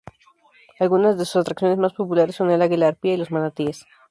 Algunas de sus atracciones más populares son el águila arpía y los manatíes.